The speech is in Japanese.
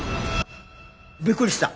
びっくりした。